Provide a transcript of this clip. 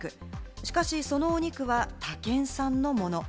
しかし、そのお肉は他県産のもの。